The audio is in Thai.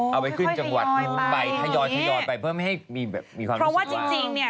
เอาไปขึ้นจังหวัดนู้นไปทยอยไปเพื่อไม่ให้มีความรู้สึกว่าเพราะว่าจริงเนี่ย